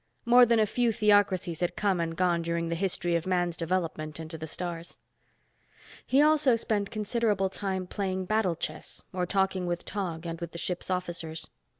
More than a few theocracies had come and gone during the history of man's development into the stars. He also spent considerable time playing Battle Chess or talking with Tog and with the ship's officers.